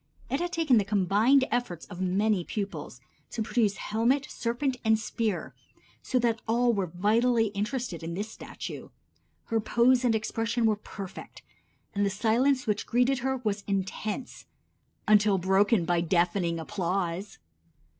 It had taken the combined efforts of many pupils to produce helmet, serpent and spear, so that all were vitally interested in this statue. Her pose and expression were perfect, and the silence which greeted her was intense until broken by deafening applause.